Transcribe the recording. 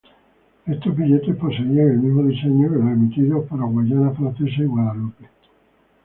Estos billetes poseían el mismo diseño que los emitidos para Guayana Francesa y Guadalupe.